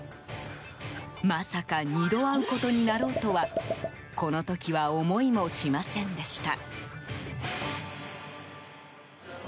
まさか２度会うことになろうとはこの時は思いもしませんでした。